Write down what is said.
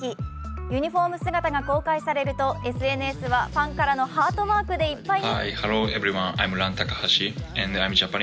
ユニフォーム姿が公開されるとＳＮＳはファンからのハートマークでいっぱいに。